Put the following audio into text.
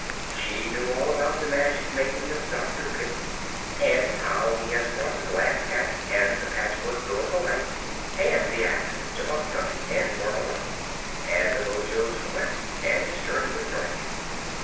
She knew all about the magic making of Dr. Pipt, and how he had brought the Glass Cat and the Patchwork Girl to life, and the accident to Unc Nunkie and Margolotte, and of Ojo's quest and his journey with Dorothy.